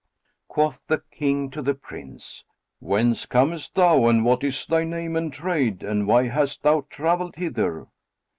Quoth the King to the Prince, "Whence comest thou and what is thy name and trade and why hast thou travelled hither?"